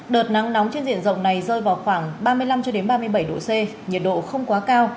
đợt nắng nóng trên diện rộng này rơi vào khoảng ba mươi năm ba mươi bảy độ c nhiệt độ không quá cao